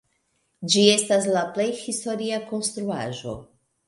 Ĝi estas la plej historia konstruaĵo.